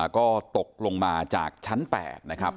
ก็ตกลงมาจากชั้น๘นะครับ